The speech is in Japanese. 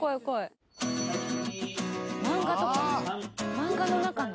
漫画の中の。